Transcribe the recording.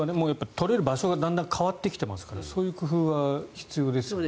取れる場所がだんだん変わってきていますからそういう工夫は必要ですよね。